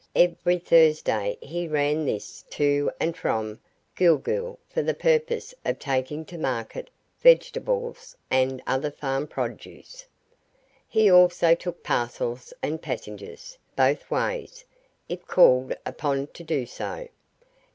Every Thursday he ran this to and from Gool Gool for the purpose of taking to market vegetables and other farm produce. He also took parcels and passengers, both ways, if called upon to do so.